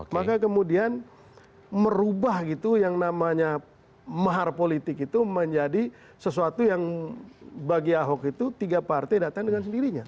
maka kemudian merubah gitu yang namanya mahar politik itu menjadi sesuatu yang bagi ahok itu tiga partai datang dengan sendirinya